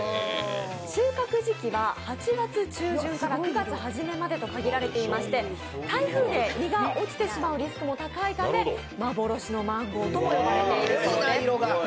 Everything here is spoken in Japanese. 収穫時期は８月中旬から９月初めまでと限られていまして、台風で実が落ちてしまうリスクも高いため幻のマンゴーとも呼ばれているそうです。